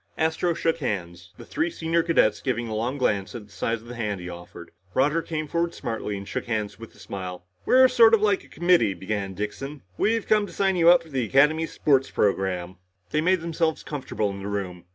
Astro shook hands, the three senior cadets giving a long glance at the size of the hand he offered. Roger came forward smartly and shook hands with a smile. "We're sorta like a committee," began Dixon. "We've come to sign you up for the Academy sports program." They made themselves comfortable in the room.